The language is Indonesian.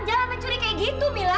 jangan mencuri kayak gitu mila